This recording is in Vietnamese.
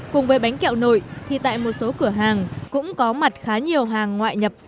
cùng với bánh kẹo nội thì tại một số cửa hàng cũng có mặt khá nhiều hàng ngoại nhập